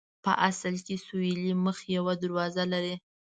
په اصل کې سویلي مخ یوه دروازه لري.